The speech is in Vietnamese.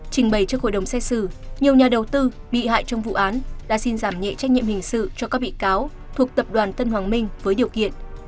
trình bày trước hội đồng xét xử nhiều nhà đầu tư bị hại trong vụ án đã xin giảm nhẹ trách nhiệm hình sự cho các bị cáo thuộc tập đoàn tân hoàng minh với điều kiện